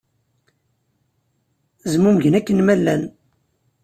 Zmumgen akken ma llan.